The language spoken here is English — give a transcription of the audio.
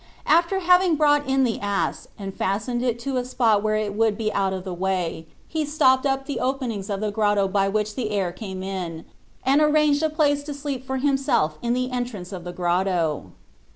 After having brought in the ass and fastened it to a spot where it would be out of the way, he stopped up the openings of the grotto by which the air came in, and arranged a place to sleep for himself in the entrance of the grotto.